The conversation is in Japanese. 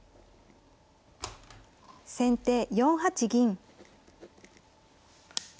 先手４八銀。